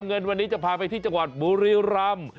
เงินวันนี้จะพาไปที่จังหวัดบุรีรำ